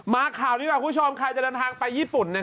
ข่าวดีกว่าคุณผู้ชมใครจะเดินทางไปญี่ปุ่น